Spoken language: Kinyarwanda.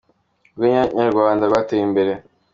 Urwenya nyarwanda rwateye imbere